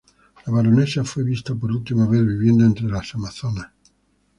La baronesa fue vista por última vez viviendo entre las Amazonas.